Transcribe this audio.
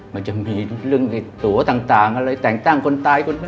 มันจะมีเรื่องในตัวต่างอะไรแต่งตั้งคนตาย